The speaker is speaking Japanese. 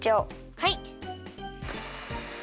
はい！